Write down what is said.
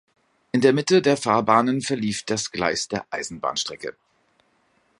In der Mitte der Fahrbahnen verlief das Gleis der Eisenbahnstrecke.